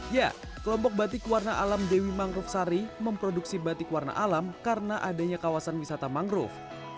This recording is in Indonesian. ya kelompok batik warna alam dewi mangrove sari memproduksi batik warna alam karena adanya kawasan wisata mangrove